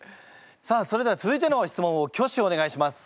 さあそれでは続いての質問を挙手お願いします。